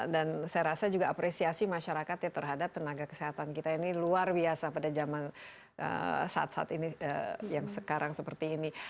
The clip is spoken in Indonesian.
dan saya rasa juga apresiasi masyarakatnya terhadap tenaga kesehatan kita ini luar biasa pada zaman saat saat ini yang sekarang seperti ini